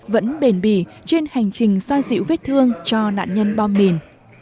vẫn bền bỉ trên hành trình xoa dịu vết thương cho nạn nhân bom mìn